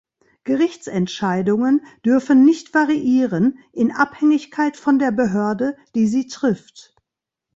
Gerichtsentscheidungen dürfen nicht variieren in Abhängigkeit von der Behörde, die sie trifft.